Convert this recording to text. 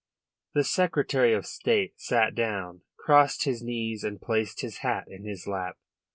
The Secretary of State sat down, crossed his knees and placed his hat in his lap.